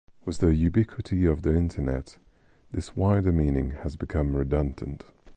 With the ubiquity of the internet this wider meaning has become redundant.